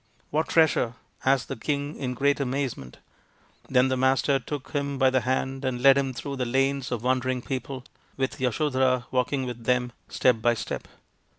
" What treasure ?" asked the king in great amazement. Then the Master took him by the hand and led him through the lanes of wondering people, with Yasodhara walking with them step by step.